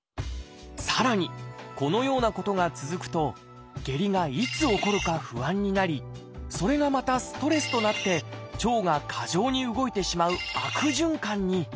さらにこのようなことが続くと下痢がいつ起こるか不安になりそれがまたストレスとなって腸が過剰に動いてしまう悪循環に。